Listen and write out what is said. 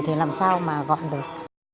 thì làm sao mà gọn được